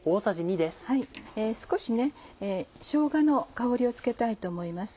少ししょうがの香りをつけたいと思います。